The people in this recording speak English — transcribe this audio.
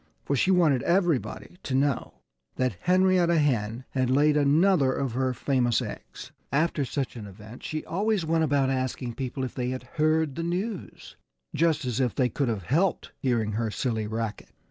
For she wanted everybody to know that Henrietta Hen had laid another of her famous eggs. After such an event she always went about asking people if they had heard the news just as if they could have helped hearing her silly racket!